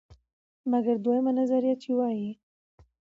مګر دویمه نظریه، چې وایي: